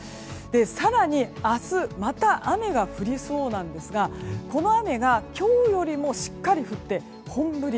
更に、明日また雨が降りそうなんですがこの雨が、今日よりしっかり降って本降り。